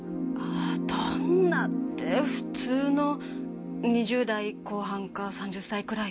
どんなって普通の２０代後半か３０歳くらいの。